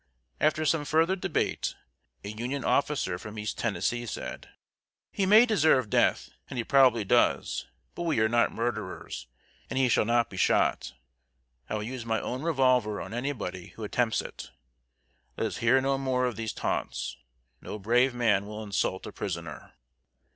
After some further debate, a Union officer from East Tennessee said. "He may deserve death, and he probably does. But we are not murderers, and he shall not be shot. I will use my own revolver on anybody who attempts it. Let us hear no more of these taunts. No brave man will insult a prisoner."